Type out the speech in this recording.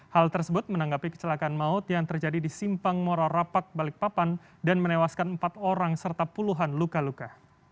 hal tersebut menanggapi kecelakaan maut yang terjadi di simpang mora rapat balikpapan dan menewaskan empat orang serta puluhan luka luka